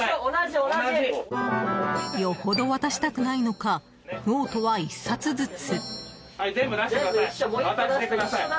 よほど渡したくないのかノートは１冊ずつ。